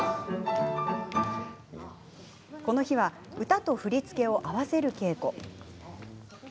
この日は、歌と振り付けを合わせる稽古。